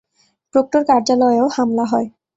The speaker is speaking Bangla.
প্রক্টর কার্যালয়েও হামলা হয়।